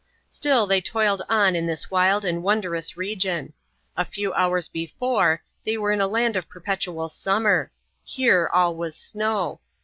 Still they toiled on in this wild and wondrous region. A few hours before they were in a land of perpetual summer; here all was snow.